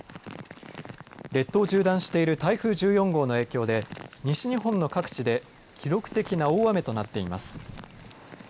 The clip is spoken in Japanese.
列島を縦断している台風１４号の影響で西日本の各地で記録的な大雨となっています。